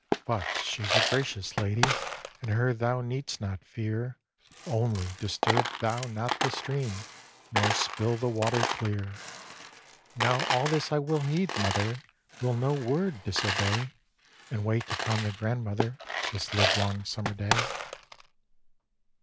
"But she's a gracious lady, And her thou need'st not fear; Only disturb thou not the stream, Nor spill the water clear." "Now all this I will heed, mother, Will no word disobey, And wait upon the grandmother This live long Summer Day."